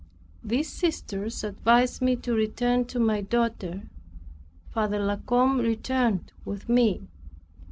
These sisters advised me to return to my daughter. Father La Combe returned with me.